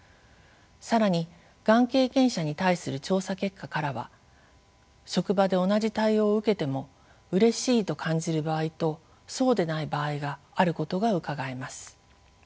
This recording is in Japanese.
更にがん経験者に対する調査結果からは職場で同じ対応を受けてもうれしいと感じる場合とそうでない場合があることがうかがえます。